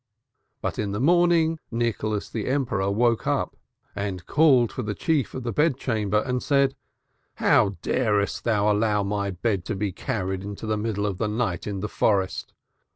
But in the morning Nicholas the Emperor woke up and called for the chief of the bed chamber and said, 'How darest thou allow my bed to be carried out in the middle of the night into the forest?'